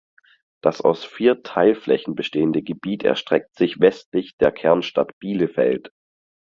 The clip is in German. Das aus vier Teilflächen bestehende Gebiet erstreckt sich westlich der Kernstadt Bielefeld.